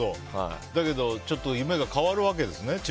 だけど夢が変わるわけですね